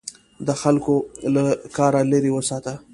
د خلکو له کاره لیرې وساته.